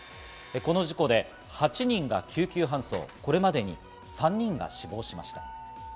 この事故で８人が救急搬送、これまでに３人が死亡しました。